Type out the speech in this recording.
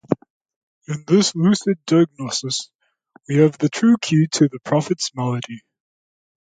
In this lucid diagnosis we have the true key to the prophet's malady.